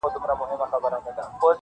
په بدل کي دي غوايي دي را وژلي-